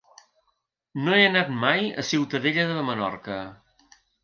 No he anat mai a Ciutadella de Menorca.